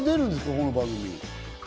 この番組。